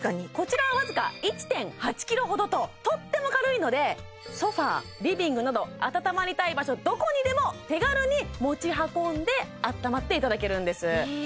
こちらは僅か１．８ｋｇほどととっても軽いのでソファリビングなど暖まりたい場所どこにでも手軽に持ち運んで暖まっていただけるんですいい！